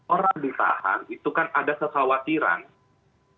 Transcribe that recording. orang ditahan itu kan ada kekhawatiran